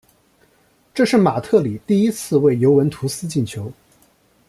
这是马特里第一次为尤文图斯进球。